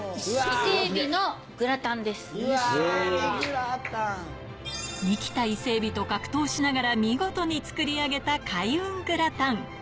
生きた伊勢海老と格闘しながら見事に作り上げた開運グラタン